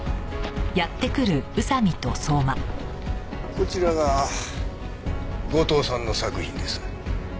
こちらが後藤さんの作品です。